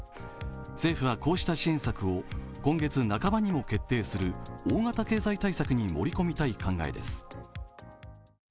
政府はこうした支援策を今月半ばにも決定する大型経済対策に盛り込みたい考えです。